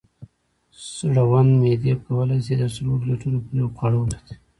زړوند معدې کولی شي تر څلورو لیټرو پورې خواړه وساتي.